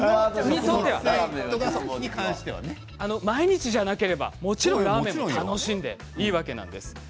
毎日じゃなければもちろんラーメンを楽しんでいいわけです。